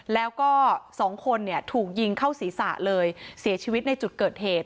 แล้วก็สองคนเนี่ยถูกยิงเข้าศีรษะเลยเสียชีวิตในจุดเกิดเหตุ